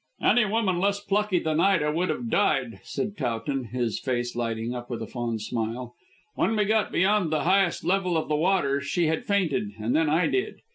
"Any woman less plucky than Ida would have died," said Towton, his face lighting up with a fond smile. "When we got beyond the highest level of the water she had fainted, and then I did.